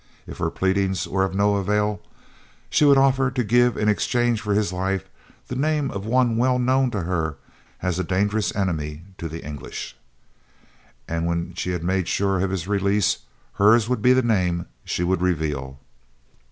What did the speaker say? If her pleadings were of no avail, she would offer to give, in exchange for his life, the name of one well known to her as a dangerous enemy to the English. And when she had made sure of his release, hers would be the name she would reveal.